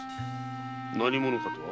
何者かとは？